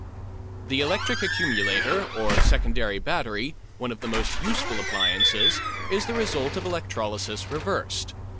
The electric accumulator or secondary battery, one of the most useful appliances, is the result of electrolysis reversed.